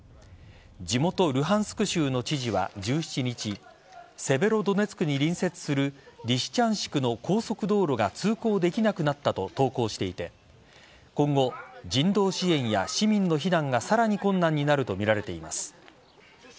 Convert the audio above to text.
地元・ルハンスク州の知事は１７日セベロドネツクに隣接するリシチャンシクの高速道路が通行できなくなったと投稿していて今後、人道支援や市民の避難がさらに困難になるとみられています。